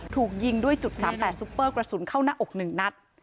ถูกยิงด้วยจุด๓๘ซุปเปอร์กระสุนเข้าหน้าอก๑นัด